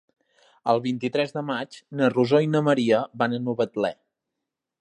El vint-i-tres de maig na Rosó i na Maria van a Novetlè.